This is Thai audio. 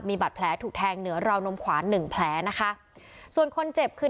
มีบัตรแผลถูกแทงเหนือราวนมขวานหนึ่งแผลนะคะส่วนคนเจ็บคือ